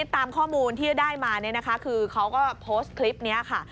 ตามข้อมูลที่ได้มาเนี่ยนะคะคือเขาก็โพสต์คลิปนี้ค่ะ